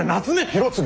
広次。